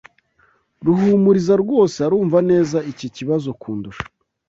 Ruhumuriza rwose arumva neza iki kibazo kundusha.